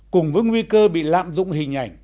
cùng với nguy cơ bị lạm dụng hình ảnh